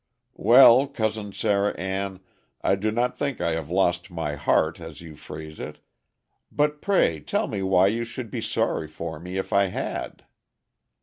"Well, Cousin Sarah Ann, I do not think I have lost my heart, as you phrase it; but pray tell me why you should be sorry for me if I had?"